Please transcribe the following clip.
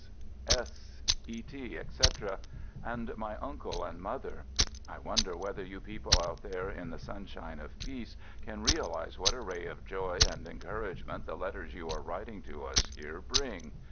C. B., C. S. S., S ; E. T., etc. — and my uncle and mother. I wonder whether you people out there in the sunshine of peace can realize what a ray of joy and encouragement the letters you are writing to us here bring.